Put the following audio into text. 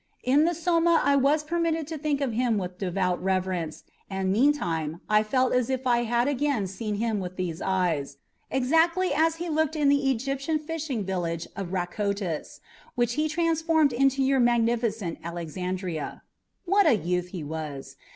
In the Soma I was permitted to think of him with devout reverence, and meantime I felt as if I had again seen him with these eyes exactly as he looked in the Egyptian fishing village of Rhacotis, which he transformed into your magnificent Alexandria. What a youth he was!